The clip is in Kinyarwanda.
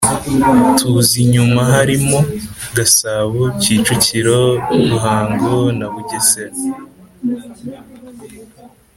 Tuza inyuma harimo Gasabo Kicukiro Ruhango na Bugesera